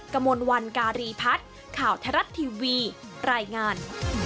กระมวลวันการีพัฒน์ข่าวไทยรัฐทีวีรายงาน